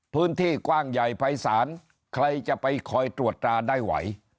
พื้นที่กว้างใหญ่ภายศาลใครจะไปคอยตรวจตราได้ไหว